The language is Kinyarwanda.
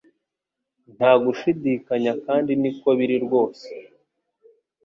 Nta gushidikanya kandi niko biri rwose